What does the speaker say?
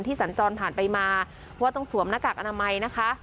ที่สัญจรผ่านไปมาว่าต้องสวมนักอักอันอมัยนะคะ